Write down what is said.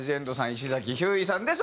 石崎ひゅーいさんです。